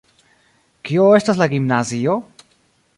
Kio estas la gimnazio?